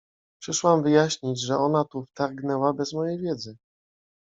Przyszłam wyjaśnić, że ona tu wtargnęła bez mojej wiedzy.